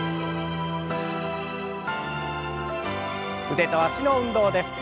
腕と脚の運動です。